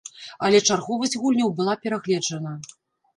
Але чарговасць гульняў была перагледжана.